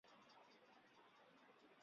他们住在皇家坦布里奇韦尔斯。